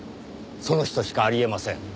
その人しかあり得ません。